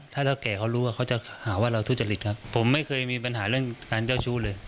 ถ้าเท่าแก่เขารู้ว่าเขาจะหาว่าเราทุจริตครับผมไม่เคยมีปัญหาเรื่องการเจ้าชู้เลย